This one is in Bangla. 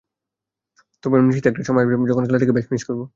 তবে আমি নিশ্চিত একটা সময় আসবে যখন খেলাটিকে বেশ মিস করব।